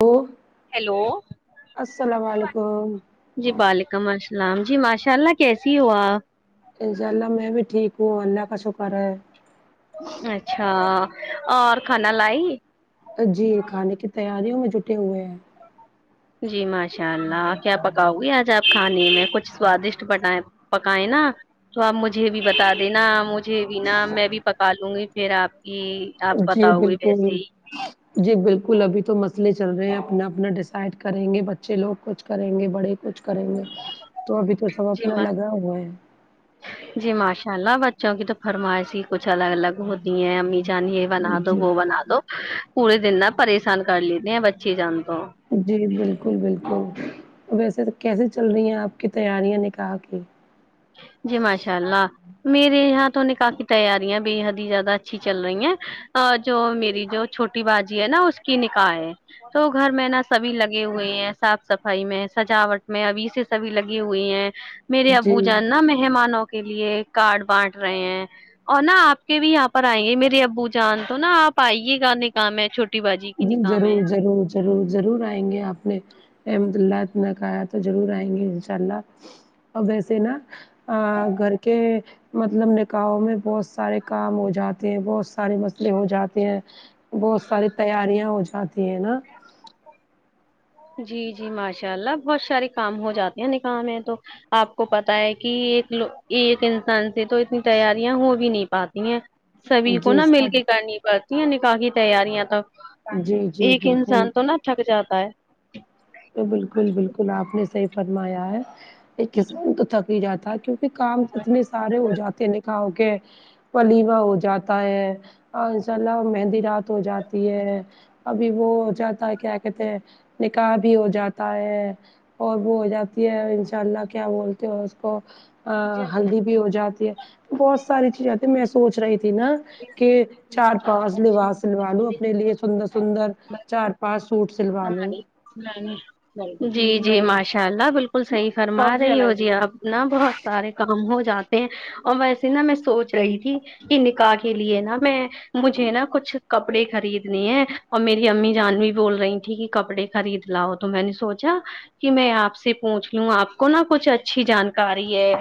hello hello السلام علیکم جی وعلیکم السلام جی ماشاء اللہ کیسی ہوآپ ان شاء اللہ میں بھی ٹھیک ہوں اللہ کا شکر ہے اچھا اور کھانا لائی جی کھانے کی تیاریوں میں جٹے ہوئے ہیں جی ماشاء اللہ کیا پکاؤ گی آج آپ کھانے میں کچھ سوادشٹ بنائے پکائے نا تو آپ مجھے بھی بتا دینا مجھے بھی نا میں بھی پکا لوں گی پھر آپ کی آپ جی بتاؤ گے ویسے بالکل ہی جی بالکل ابھی تو مسلے چل رہے ہیں اپنا اپنا ڈسائڈ کرینگے بچے لوگ کچھ کریں گے بڑے کچھ کریں گے تو ابھی تو سب جی اپنا ما لگا ہوا ہے جی ماشاء اللہ بچوں کی تو فرمائش ہی کچھ الگ الگ ہوتی ہیں امی جان یہ بنا دو جی وہ بنا دو پورے دن نہ پریشان کر لیتے ہیں بچے جان تو جی بالکل بالکل ویسے تو کیسے چل رہی ہیں آپ کی تیاریاں نکاح کی جی ماشاء اللہ میرے یہاں تو نکاح کی تیاریاں بے حد ہی زیادہ اچھی چل رہی ہیں جو میری جو چھوٹی باجی ہے نا اس کی نکاح ہے تو گھر میں نا سبھی لگے ہوئے ہیں صاف صفائی میں سجاوٹ میں ابھی سے سبھی لگی ہوئی ہیں میرے ابو جی جان نا مہمانوں کے لیے کارڈ بانٹ رہے ہیں اور نا آپ کے بھی یہاں پر آئیں گے میرے ابو جان تو نا آپ آئیے گانے کام ہے چھوٹی باجی کی جی نکاح ہے ضرور ضرور ضرور ضرور آئیں گے آپ نے احمد اللہ نا کہا تو ضرور آئیں گے انشاء اللہ ا ویسے نا ا گھر کے مطلب نکاحوں میں بہت سارے کام ہو جاتے ہیں بہت سارے مسلے ہو جاتے ہیں بہت ساری تیاریاں ہو جاتی ہیں نا جی جی ماشاء اللہ بہت سارے کام ہو جاتے ہیں نکاح ہے تو آپ کو پتا ہے کہ ایک کو ایک انسان سے تو اتنی تیاریاں ہو بھی نہیں پاتی ہیں سبھی کو جی نا مل سب کے کرنی پڑتی ہیں نکاح کی تیاریاں تو جی جی ایک بالکل انسان تو نا تھک جاتا ہے بالکل بالکل آپ نے صحیح فرمایا ہے ایک انسان تو تھک ہی جاتا کیوں کام اتنے سارے ہو جاتے ہیں نکاؤ کے ولیمہ ہو جاتا ہے اور انشاء اللہ مہندی رات ہو جاتی ہے ابھی وہ جاتا ہے کیا کہتے ہیں نکاح بھی ہو جاتا ہے اور بھی ہو جاتی ہے انشاء اللہ کیا بولتے ہو اس کو ا ہے ہلدی بھی ہو جاتی ہے بہت ساری چیزیں میں سوچ رہی تھی نا کہ چار پانچ لباس سلوا لو اپنے لیے سندر سندر چار پانچ سوٹ سلوا لو جی جی ماشاء اللہ بالکل کل صحیح فرما رہی ہو جی آپ ن بہت سارے کام ہو جاتے ہیں اور ویسے نا میں سوچ رہی تھی کہ نکاح کے لیے نا میں مجھے نا کچھ کپڑے خریدنے ہیں اور میری امی جان بول رہی تھی ٹھیک ہے کپڑے خرید لاؤ تو میں نے سوچا کہ میں آپ سے پوچھ لوں آپ کو نہا کچھ اچھی جانکاری ہے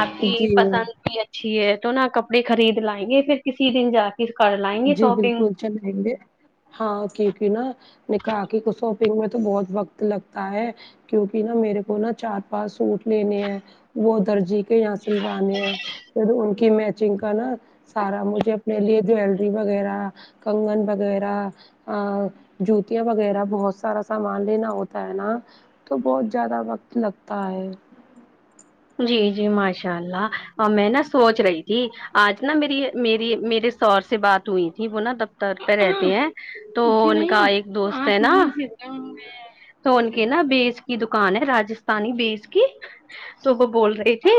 آپ کی جی پسند بھی اچھی ہے تو نا کپڑے خرید لائیں گے پھر کسی دن جا کے پھر کر لائیں گے شاپنگ چل لینگے ہاں کیونکہ نا نکاح کو شاپنگ میں تو بہت وقت لگتا ہے کیونکہ نا میرے کو نا چار پانچ سوٹ لینے ہیں وہ درجی کے یہاں سلوانے ہیں پ ان کی میچنگ کا نا سارا مجھے اپنے لیے جیل وغیرہ کنگن وغیرہ ا جوتیاں وغیرہ بہت سارا سامان لینا ہوتا ہے نا تو بہت زیادہ وقت لگتا ہے جی جی ماشاء اللہ میں نا سوچ رہی تھی آج نا میری میری میرے سور سے بات ہوئی تھی وہ نا دفتر پہ رہتے ہیں تو ان کا ایک دوست ہے نا تو ان کے نا بیس کی دکان ہے رجستھانی بیس کی تو وہ بول رہی تھی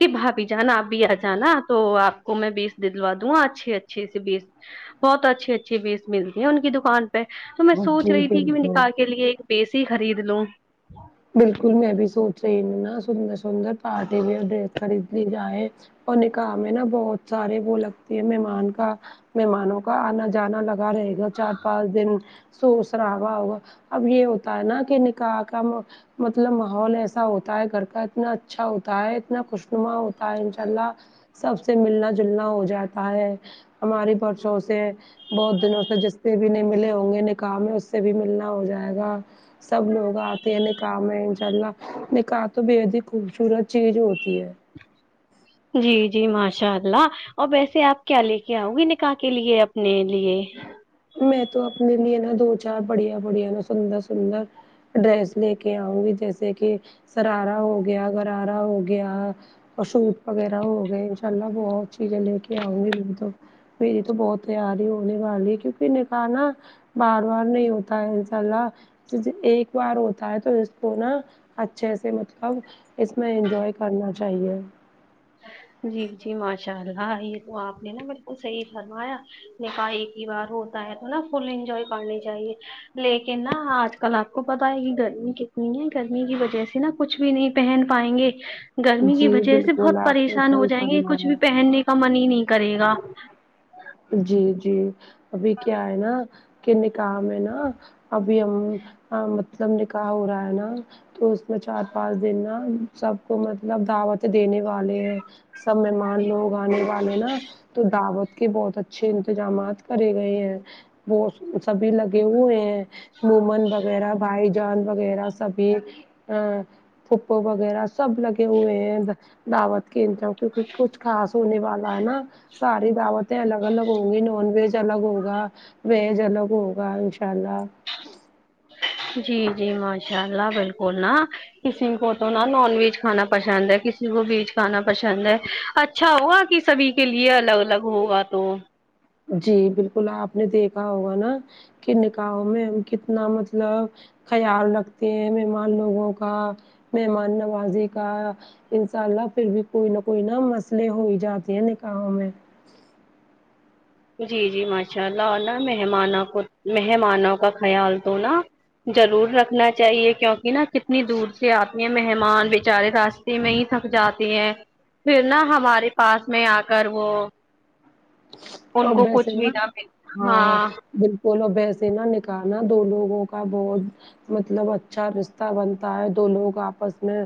کہ بھابھی جان آب بھی آ جانا تو آپ کو میں بیس دلوا دوں گا اچھے اچھے سے بیس بہت اچھے اچھے بیس ملتی ہیں ان کی دکان پ تو میں سوچ جی رہی تھی کہ میں بالکل نکاح کے لیے ایک بیسی خرید لوں بالکل میں بھی سوچ رہی ہوں نا سندر سندر پارٹی ویر ڈریس خرید لی جائے اور نکاح میں نا بہت سارے وہ لگتی ہیں مہمان کا مہمانوں کا آنا جانا لگتا رہے گا چار پانچ دن سور سرابا ہوگا اب یہ ہوتا ہے نا کہ نکاح کا مطلب ماحول ایسا ہوتا ہے گھر کا اتنا اچھا ہوتا ہے اتنا خوشنما ہوتا ہے انشاء اللہ سب سے ملنا جھول نہ ہو جاتا ہے ہماری بچوں سے بہت دنوں سے جس سے بھی نہیں ملے ہوں گے نکاح میں اس سے بھی ملنا ہو جائے گا سب لوگ آتے ہیں نکا ح میں ان شاء اللہ نکاح تو بے حد ہی خوبصورت چیز ہوتی ہے جی جی ماشاء اللہ ا ویسے آپ کیا لے کے آؤ گی نکاح کے لیے اپنے لیے میں تو اپنے لیے نا دو چار بڑیا بڑیا نا سندر سندر ڈریس لے کے آؤں گی جیسے کہ سرارا ہو گیا گغرارا ہو گیا اور شوٹ وغیرہ ہو گئے انشاء اللہ بہت چیزیں لے کے آؤں گی میں تو میری تو بہت تیار ہی ہونے والی ہے کیونکہ نکاح نا بار بار نہیں ہوتا ہے انشاء اللہ ج ایک بار ہوتا ہے تو اس کو نا اچھے سے مطلب اس میں انجوائے کرنا چاہیے جی جی ماشاء اللہ یہ تو آپ نے نا بالکل صحیح فرمایا نکاح ایک ہی بار ہوتا ہے تو نا فل انجوائے کرنی چاہیے لیکن نا آج کل آپ کو پتا ہے کہ گرمی کتنی ہے گرمی کی وجہ سے نا کچھ بھی نہیں پہن پائیں گے گرمی کی جی وجہ سے بالکل بہت آپ پریشان نے ہو صحیح جائیں گے کچھ فرمایا بھی پہننے کا من ہی نہیں کرے گا جی جی ابھی کیا ہے نہ کے نکاح میں نا ابھی ہم مطلب نکاح ہو رہا ہے نا تو اس میں چار پانچ دن نا سب کو مطلب دعوت دینے والے ہیں سب مہمان لوگ آنے والے نا تو دعوت کے بہت اچھے انتظامات کرے گئے ہیں وہ سبھی لگے ہوئے ہیں نومان وغیرہ بھائی جان وغیرہ سبھی پھو پو وغیرہ سب لگے ہوئے ہیں دعوت کے کیونکہ کچھ خاص ہونے والا ہے نا ساری دعوتیں الگ الگ ہوں گی نان ویج الگ ہوگا و یچ الگ ہوگا انشاء اللہ جی جی ماشاء اللہ بالکل نا کسی کو تو نا نان ویج کھانا پسند ہے کسی کو ویج کھانا پسند ہے اچھا اچھا ہوا کہ سبھی کے لیے الگ الگ ہوگا تو جی بالکل آپ نے دیکھا ہوگا نا کہ نکاحوں میں ہم کتنا مطلب خیال رکھتے ہیں مہمان لوگوں کا مہمان نوازی کا انشاء اللہ پھر بھی کوئی نہ کوئی نہ مسئلے ہو ہی جاتے ہیں نکاحوں میں جی جی ماشاء اللہ اور نہ مہمانوں کو مہمانوں کا خیال تو نا ضرور رکھنا چاہیے کیونکہ نا کتنی دور سے آ تے یہ مہمان بےچارے راستے میں ہی تھک جاتے ہیں پھر نا ہمارے پاس میں آ کر وہ ان اور کو ویسے کچھ نا بھی نہ مل ہاں بالکل بولو و یسے نہ نکا ح دو لوگوں کا بہت مطلب اچھا رشتہ بنتا ہے دو لوگ آپس میں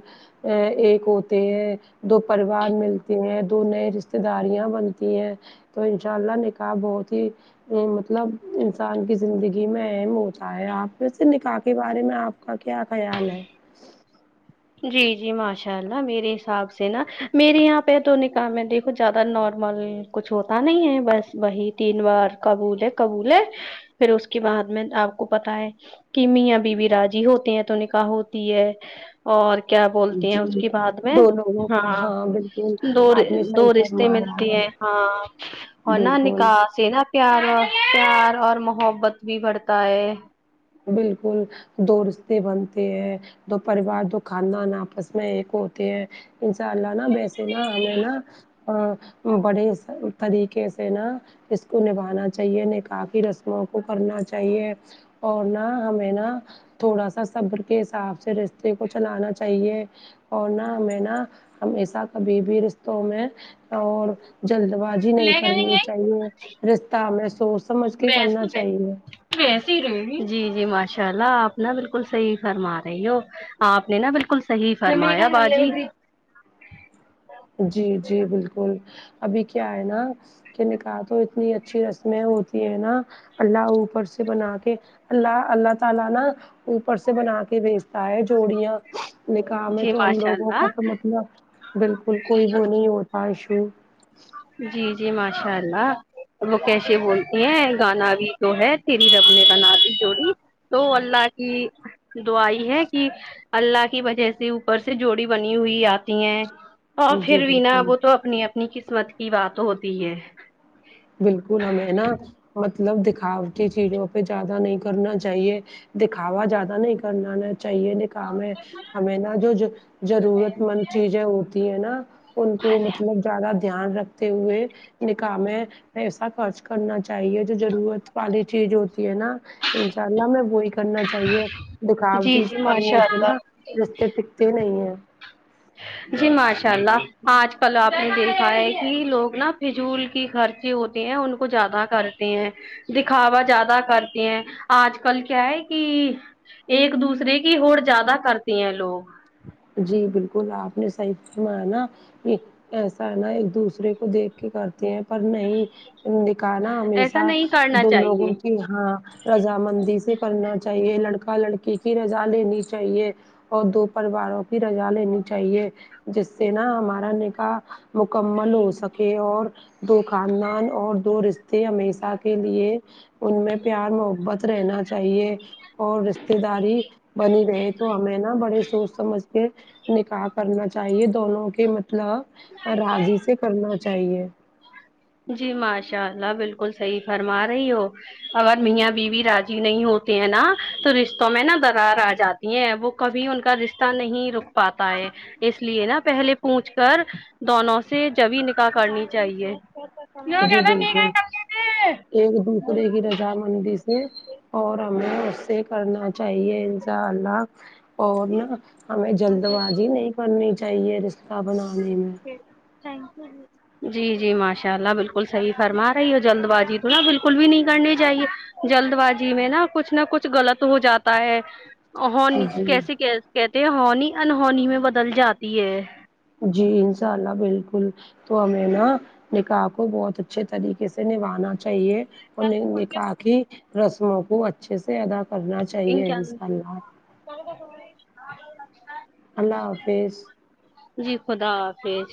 ایک ہوتے ہیں دو پریوار ملتے ہیں دو نئے رشتے داریاں بنتی ہیں تو ان شاء اللہ نکاح بہت ہی نہیں مطلب انسان کی زندگی میں اہم ہوتا ہے آپ کیسے نکاح کے بارے میں آپ آپ کا کیا خیال ہے جی جی ماشاء اللہ میرے حساب سے نا میرے یہاں پہ تو نکاح میں دیکھو کچھ زیادہ نارمل کچھ ہوتا نہیں ہے بس وہی تین بار قبول ہے قبول ہے پھر اس کے بعد میں آپ کو پتا ہے کی میاں بیوی را ضی ہوتے ہیں تو نکاح ہوتی ہے اور کیا بولتی ہیں اس جی کی بعد میں دو لوگوں کا ہاں بالکل دو آپ نے صحیح دو رشتے فرمایا ملتے ہے ہاں اورنا بالکل نکاح سے نا پیار او پیار اور محبت بھی بڑھتا ہے بالکل دو رشتے بنتے ہیں دو پریوار دو خاندان آپس میں ایک ہوتے ہیں انشاء اللہ نا یسے نا ہم ہے نا ہ بڑے طریقے سے نا اس کو نبھانا چاہیے نکاح کی رسموں کو کرنا چاہیے اور نہ ہمیں نہ تھوڑا سا صبر کے حساب سے رستے کو چلانا چاہیے اور نہ ہمیں نہ ہمیشہ کبھی بھی رشتوں میں اور جلد بازی نہیں کرنی چاہیے رشتہ ہمیں سوچ سمجھ کے کرنا چاہیے تو ایسے ہی رہینگی جی جی ماشاء اللہ آپ نہ بالکل صحیح فرما رہی ہو آپ نے نہ بالکل صحیح فرمایا باجی جی جی بالکل ابھی کیا ہے نا کے نکاح تو اتنی اچھی رسمیں ہوتی ہے نا اللہ اوپر سے بنا کے الله اللہ تعالی نا اوپر سے بنا کے بھیچتا ہے جوڑیاں نکاح میں جی تو ہم ماشاء لوگوں کا اللہ تو مطلب بالکل کوئی وہ نہیں ہوتا ایشو جی جی ماشاء اللہ وہ کیسے بولتی ہیں گانا بھی جو ہے تیری رب نے بنا دی جوڑی تو اللہ کی دعا آئی ہے کہ اللہ کی وجہ سے اوپر سے جوڑی بنی ہوئی آتی ہیں اور پھر جی ونا بالکل وہ تو اپنی اپنی قسمت کی بات ہوتی ہے بالکل ہمیں نا مطلب دکھاوتی چیزوں پہ زیادہ نہیں کرنا چاہیے دکھاوا زیادہ نہیں کرنا نا چاہیے نکاح میں ہمیں نا جو ضر ضرورت مند چیزیں ہوتی ہے نا ان کو مطلب زیادہ دھیان رکھتے ہوئے نکاح میں پیسا خرچ کرنا چاہیے جو ضرورت والی چیز ہوتی ہے نا انشاء اللہ میں وہی کرنا چاہیے جی دکھاوٹی جی کرنے ماشاء سے اللہ نا رستے ٹکتے نہیں ہیں جی ماش اشاء اللہ آج کل آپ نے دیکھا ہے کہ لوگ نا فضول کی خرچے ہوت تے ہیں ان کو زیادہ کرتے ہیں دکھاوا زیادہ کرتے ہیں آج کل کیا ہے کی ایک دوسرے کی ہوڑ زیادہ کرتی ہیں لوگ جی بالکل آپ نے صحیح فما نا ایسا ہے نا ایک دوسرے کو دیکھ کے کرتے ہیں پر نہیں نکاح نہ ایسا ہمیشہ نہیں کرنا دو لوگوں چاہیے کی ہاں رضا مندی سے کرنا چاہیے لڑکا لڑکی کی رضا لینی چاہیے اور دو پریواروں کی رضا لینی چاہیے جس سے نا ہمارا نکاح مکمل ہو سکے اور دو خاندان اور دو رشتے ہمیشہ کے لیے ان میں پیار محبت رہنا چاہیے اور رشتے داری بنی رہے تو ہمیں نا بڑے سوچ سمج نکاح کرنا چاہیے دونوں کے مطلب راضی سے کرنا چاہیے جی ماشاء اللہ بالکل صحیح فرما رہی ہو اگر میاں بیوی راضی نہیں ہوتے ہیں نا تو رشتوں میں نا درار آ جا تی وہ کبھی ان کا رشتہ نہیں رک پاتا ہے اس لیے نا پہلے پوچھ کر دونوں سے جبھی نکاح کرنی چاہیے جی بالکل ایک دوسرے کی رضامندی سے اور ہمیں اس سے کرنا چاہیے انساء اللہ اور نہ ہمیں جلد باجی نہیں کرنی چاہیے رشتہ بنانے میں تھینک یو جی جی ماشاء اللہ بالکل صحیح فرما رہی ہو جلد باجی تو نا بالکل بھی نہیں کرنی چاہیے جلد باجی میں نا کچھ نہ کچھ غلط ہو جاتا ہے ہونی جی کیسے کہتے ہیں ہونی انہونی میں بدل جاتی ہے جی انساء اللہ بالکل تو ہمیں نا نکاح کو بہت اچھے طریقے سے نبھانا چاہیے انہیں نکاح کی رسموں کو اچھے سے ادا کرنا چاہیے انساء اللہ کو تو آ لگتا [unintelligible] اللہ حافظ جی خدا حافظ